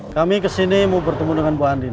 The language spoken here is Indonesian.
kami kesini mau bertemu dengan bu andin